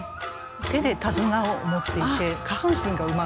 手で手綱を持っていて下半身が馬なんですね。